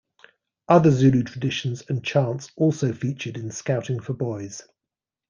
Other Zulu traditions and chants also featured in Scouting for Boys.